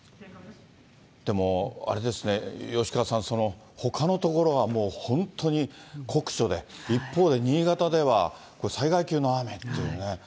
でもあれですね、吉川さん、ほかの所はもう本当に酷暑で、一方で新潟では、これ、災害級の雨っていうね。